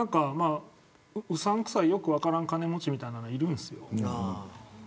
うさんくさいよく分からん金持ちみたいなのがいるんですよ。